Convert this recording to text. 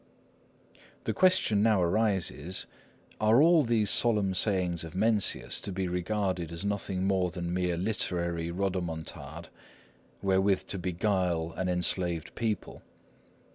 The question now arises, Are all these solemn sayings of Mencius to be regarded as nothing more than mere literary rodomontade, wherewith to beguile an enslaved people?